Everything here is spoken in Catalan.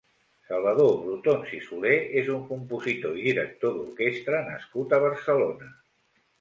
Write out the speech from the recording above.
Salvador Brotons i Soler és un compositor i director d'orquestra nascut a Barcelona.